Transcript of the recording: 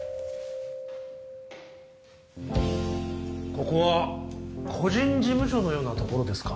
ここは個人事務所のようなところですか？